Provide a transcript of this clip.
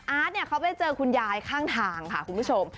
เขาไปเจอคุณยายข้างทางค่ะคุณผู้ชม